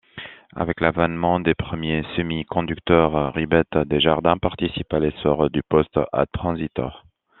Avec l'avènement des premiers semi-conducteurs, Ribet Desjardin participe à l'essor du poste à transistors.